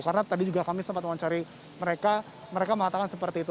karena tadi juga kami sempat mewawancari mereka mereka mengatakan seperti itu